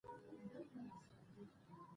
اتومي نمبر تکرارېږي.